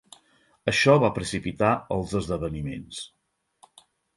Això va precipitar els esdeveniments.